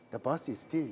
dan truk baru lagi